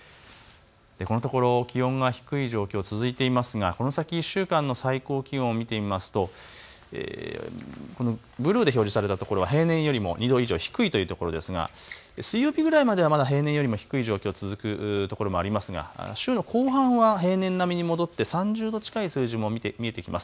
このところ気温が低い状況、続いていますがこの先１週間の最高気温を見てみますとこのブルーで表示された所は平年よりも２度以上低いというところですが水曜日ぐらいまでは平年より低い状況続くところもありますが週の後半は平年並みに戻って３０度近い数字も見えてきます。